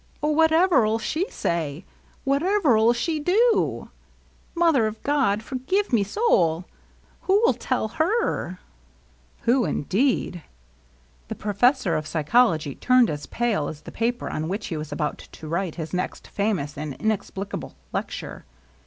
... Oh, whatever '11 she say ? Whatever 'U she do ? Mother of God, forgive me soul ! Who 'U tell her ?" Who indeed ? The professor of psychology turned as pale as the paper on which he was about to write his next famous and inexphcable lecture.